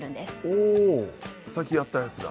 おさっきやったやつだ。